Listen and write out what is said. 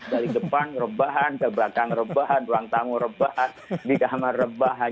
dari depan rebahan ke belakang rebahan ruang tamu rebahan di kamar rebahan